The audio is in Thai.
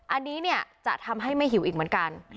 อันนี้เนี่ยจะทำให้ไม่หิวอีกเหมือนกัน